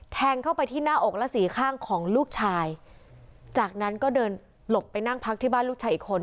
แทงเข้าไปที่หน้าอกและสี่ข้างของลูกชายจากนั้นก็เดินหลบไปนั่งพักที่บ้านลูกชายอีกคน